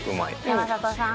山里さん？